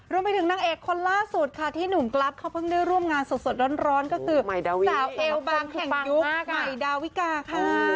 รวมไปถึงนางเอกคนล่าสุดค่ะที่หนุ่มกรัฟเขาเพิ่งได้ร่วมงานสดร้อนก็คือสาวเอวบางแห่งยุคใหม่ดาวิกาค่ะ